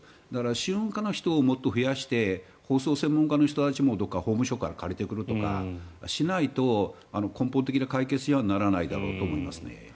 宗務課の人をもっと増やして法曹専門家の人たちもどこか法務省から借りてくるとかしないと根本的な解決にはならないと思います。